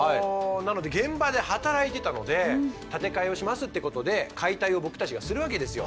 なので現場で働いてたので建て替えをしますってことで解体を僕たちがするわけですよ。